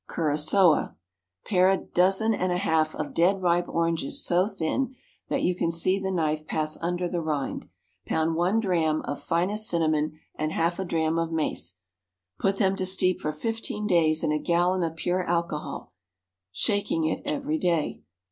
Curaçoa. Pare a dozen and a half of dead ripe oranges so thin that you can see the knife pass under the rind; pound one dram of finest cinnamon and half a dram of mace; put them to steep for fifteen days in a gallon of pure alcohol, shaking it every day.